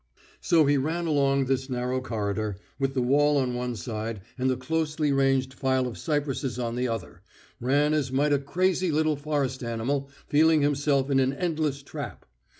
So he ran along this narrow corridor, with the wall on one side and the closely ranged file of cypresses on the other, ran as might a crazy little forest animal feeling itself in an endless trap.